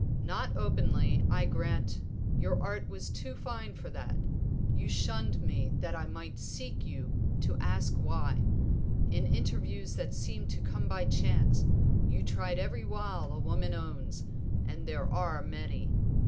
Not openly, I grant, your art was too fine for that; you shunned me that I might seek you to ask why. In interviews that seemed to come by chance, you tried every wile a woman owns, and they are many.